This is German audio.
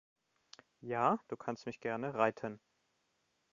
Ja, du kannst mich gerne reiten.